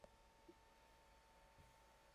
The rear seat had a folding central armrest.